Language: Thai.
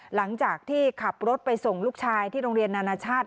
หลังจากที่ขับรถไปส่งลูกชายที่โรงเรียนนานาชาติ